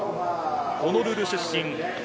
ホノルル出身。